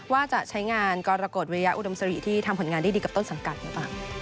ว่าจะใช้งานกรกฎเวยาอุดมสริที่ทำผลงานได้ดีกับต้นสังกัดหรือเปล่า